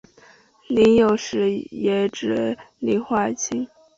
膦有时也专指磷化氢。